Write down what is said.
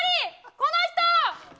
この人。